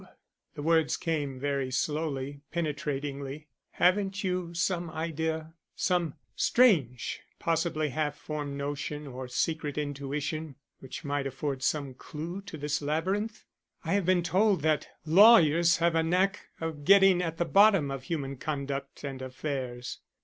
The words came very slowly, penetratingly. "Haven't you some idea some strange, possibly half formed notion or secret intuition which might afford some clew to this labyrinth? I have been told that lawyers have a knack of getting at the bottom of human conduct and affairs.